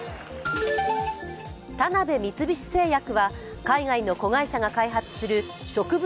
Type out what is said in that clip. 田辺三菱製薬は、海外の子会社が開発する植物